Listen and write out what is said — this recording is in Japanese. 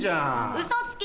ウソつき！